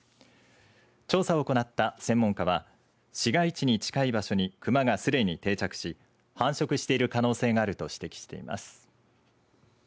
調査を行った専門家は市街地に近い場所にクマがすでに定着し繁殖している可能性があると指摘しています。